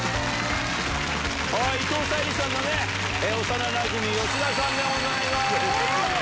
⁉伊藤沙莉さんの幼なじみ吉田さんでございます。